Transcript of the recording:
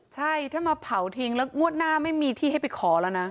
ใช่ถ้ามาเผาทิ้งแล้วงวดหน้าไม่มีที่ให้ไปขอแล้วนะ